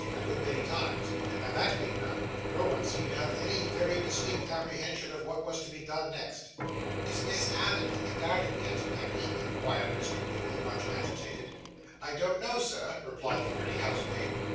a good many times; and that being done, no one seemed to have any very distinct apprehension of what was to be done next. 'Is Miss Allen in the garden yet, Mary?' inquired Mr. Winkle, much agitated. 'I don't know, sir,' replied the pretty housemaid.